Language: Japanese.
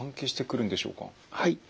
はい。